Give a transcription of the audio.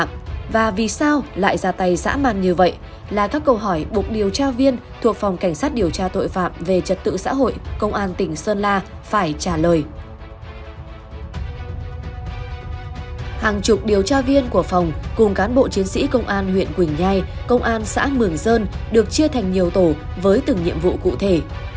một chục điều tra viên của phòng cùng cán bộ chiến sĩ công an huyện quỳnh nhai công an xã mường dơn được chia thành nhiều tổ với từng nhiệm vụ cụ thể